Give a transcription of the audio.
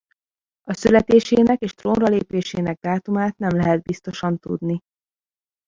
A születésének és trónra lépésének dátumát nem lehet biztosan tudni.